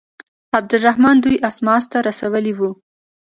عبدالرحمن دوی اسماس ته راوستلي وه.